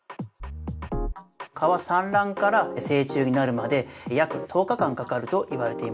蚊は産卵から成虫になるまで約１０日間かかるといわれています。